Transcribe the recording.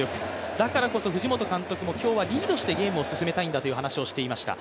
だからこそ藤本監督も、今日はリードしてゲームを進めたいんだという話をしていました。